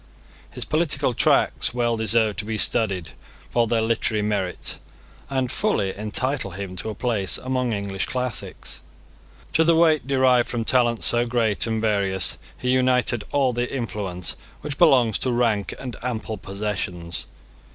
His political tracts well deserve to be studied for their literary merit, and fully entitle him to a place among English classics. To the weight derived from talents so great and various he united all the influence which belongs to rank and ample possessions.